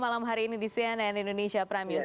malam hari ini di cnn indonesia prime news